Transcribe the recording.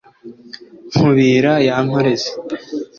nkubira ya nkoreza